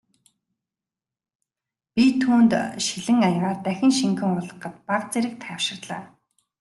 Би түүнд шилэн аягаар дахин шингэн уулгахад бага зэрэг тайвширлаа.